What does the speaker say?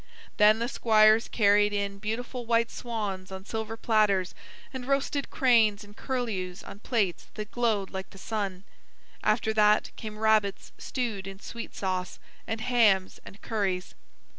Then the squires carried in beautiful white swans on silver platters, and roasted cranes and curlews on plates that glowed like the sun. After that came rabbits stewed in sweet sauce, and hams and curries.